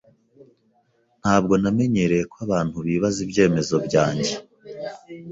Ntabwo namenyereye ko abantu bibaza ibyemezo byanjye.